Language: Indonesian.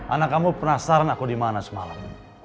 anak kamu penasaran aku dimana semalam